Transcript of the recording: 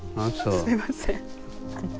すいません。